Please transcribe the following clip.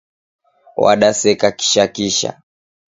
Wadaseka kisha kisha